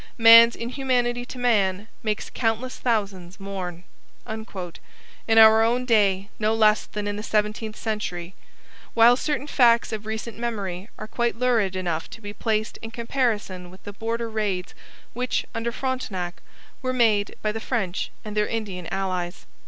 'Man's inhumanity to man makes countless thousands mourn' in our own day no less than in the seventeenth century; while certain facts of recent memory are quite lurid enough to be placed in comparison with the border raids which, under Frontenac, were made by the French and their Indian allies.